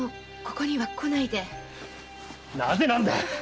なぜなんだ！